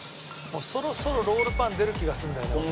そろそろロールパン出る気がするんだよね俺。